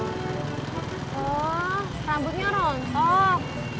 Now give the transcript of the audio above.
oh rambutnya rontok